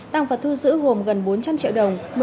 tăng vật thu giữ gồm gần bốn trăm linh triệu đồng